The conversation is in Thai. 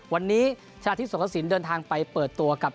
วันนี้ธนาธิตศุกรศิลป์เดินทางไปเปิดตัวกับ